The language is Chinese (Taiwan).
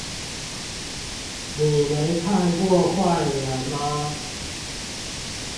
你沒看過壞人嗎？